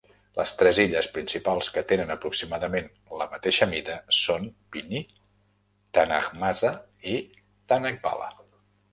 Les tres illes principals, que tenen aproximadament la mateixa mida, són Pini, Tanahmasa i Tanahbala.